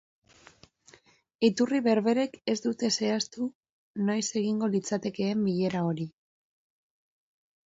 Iturri berberek ez dute zehaztu noiz egingo litzatekeen bilera hori.